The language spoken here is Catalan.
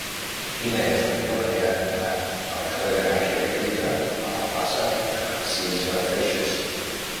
Quina és la millor manera d'anar del carrer de Mejía Lequerica a la plaça de Narcisa Freixas?